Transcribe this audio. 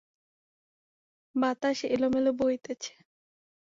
বাতাস এলোমেলো বহিতেছে।